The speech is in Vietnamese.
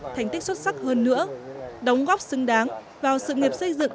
thành tích xuất sắc hơn nữa đóng góp xứng đáng vào sự nghiệp xây dựng